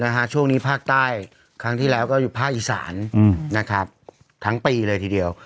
ช่วงนี้ภาคใต้ครั้งที่แล้วก็อยู่ภาคอีสานนะครับทั้งปีเลยทีเดียว